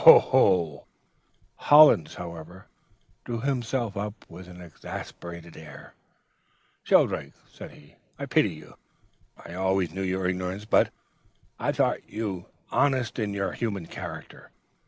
"Hollins, however, drew himself up with an exasperated air. "'Shelldrake,' said he, 'I pity you. I always knew your ignorance, but I thought you honest in your human character.